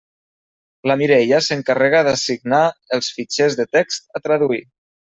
La Mireia s'encarrega d'assignar els fitxers de text a traduir.